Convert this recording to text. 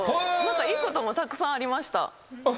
いいこともたくさんありました。